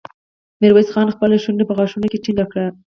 ميرويس خان خپله شونډه په غاښونو کې ټينګه کړه.